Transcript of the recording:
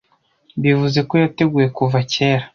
Bivuze ko yateguwe kuva cyera.